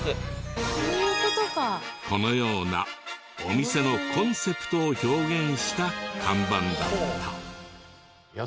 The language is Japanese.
このようなお店のコンセプトを表現した看板だった。